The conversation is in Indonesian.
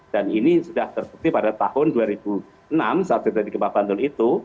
dan ini sudah terbukti pada tahun dua ribu enam saat terjadi gempa bantul itu